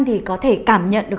thì có thể cảm nhận được